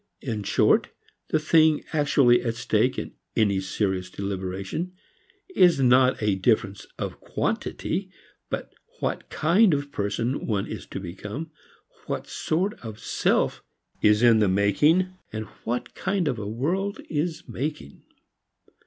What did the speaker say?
In short, the thing actually at stake in any serious deliberation is not a difference of quantity, but what kind of person one is to become, what sort of self is in the making, what kind of a world is making.